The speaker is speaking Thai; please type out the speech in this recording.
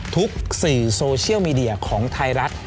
สื่อโซเชียลมีเดียของไทยรัฐ